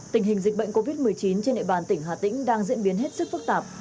tình hình dịch bệnh covid một mươi chín trên địa bàn tỉnh hà tĩnh đang diễn biến hết sức phức tạp